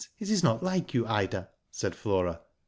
It is not like you, Ida," said Flora.